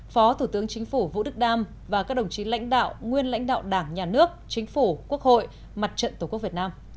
phó thủ tướng chính phủ vũ đức đam và các đồng chí lãnh đạo nguyên lãnh đạo đảng nhà nước chính phủ quốc hội mặt trận tổ quốc việt nam